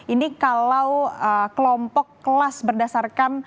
ini kalau kelompok kelas berdasarkan